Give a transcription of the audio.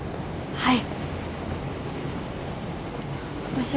はい。